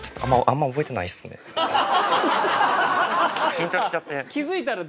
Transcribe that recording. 緊張しちゃって。